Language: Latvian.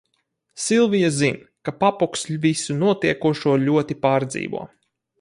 Silvija zin, ka papuks visu notiekošo ļoti pārdzīvo.